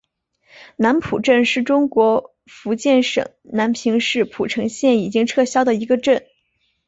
南浦镇是中国福建省南平市浦城县已经撤销的一个镇。